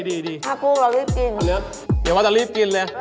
เดี๋ยวเราจะรีบกินเลย